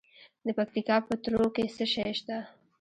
د پکتیکا په تروو کې څه شی شته؟